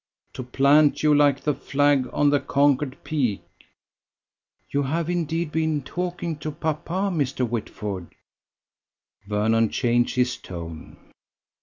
"To plant you like the flag on the conquered peak!" "You have indeed been talking to papa, Mr. Whitford." Vernon changed his tone.